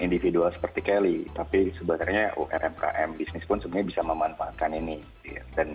individual seperti kelly tapi sebenarnya umkm bisnis pun sebenarnya bisa memanfaatkan ini dan